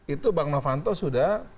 itu bang novanto sudah